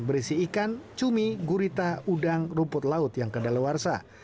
berisi ikan cumi gurita udang rumput laut yang kedalawarsa